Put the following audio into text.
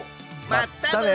まったね！